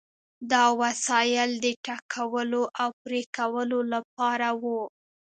دا وسایل د ټکولو او پرې کولو لپاره وو.